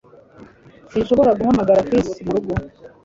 Sinshobora guhamagara Chris murugo